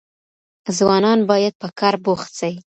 ځوانان بايد په کار بوخت سي.